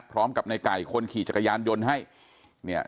พร้อมกับในไก่คนขี่จักรยานยนต์ให้เนี่ย